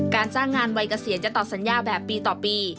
การจ้างงานวัยเกษียณจะตอบสัญญาแบบปีต่อปี